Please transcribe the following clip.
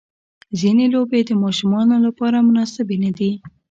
ځینې لوبې د ماشومانو لپاره مناسبې نه دي.